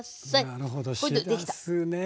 なるほどしらすね。